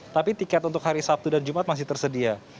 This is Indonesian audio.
tapi tiket untuk hari sabtu dan jumat masih tersedia